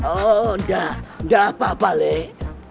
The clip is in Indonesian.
udah udah apa apa leh